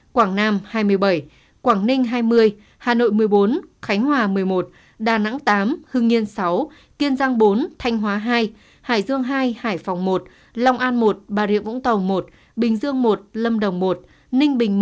quảng nam hai mươi bảy quảng ninh hai mươi hà nội một mươi bốn khánh hòa một mươi một đà nẵng tám hưng yên sáu kiên giang bốn thanh hóa hai hải dương hai hải phòng một long an một bà rịa vũng tàu một bình dương một lâm đồng một ninh bình một